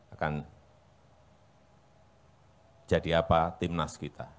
akan jadi apa timnas kita